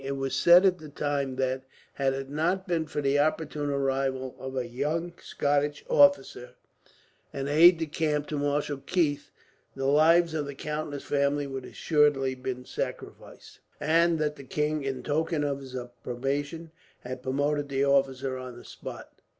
It was said at the time that, had it not been for the opportune arrival of a young Scottish officer, an aide de camp to Marshal Keith, the lives of the count and his family would assuredly have been sacrificed; and that the king, in token of his approbation, had promoted the officer upon the spot.